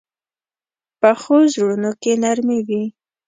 پخو زړونو کې نرمي وي